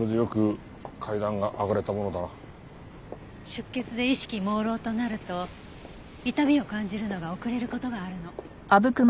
出血で意識朦朧となると痛みを感じるのが遅れる事があるの。